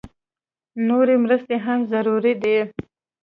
نورې مرستې هم ضروري دي